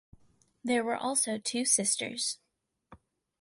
There were also two sisters.